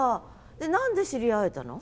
何で知り合えたの？